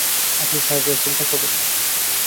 আপনি স্যার কোনো চিন্তা করবেন না।